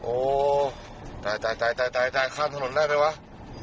โอ้โหตายตายตายตายคั่นถนนได้รึเปล่า